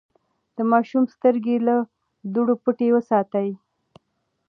د ماشوم سترګې له دوړو پټې وساتئ.